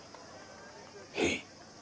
へい。